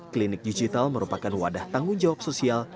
klinik digital merupakan wadah tanggung jawab sosial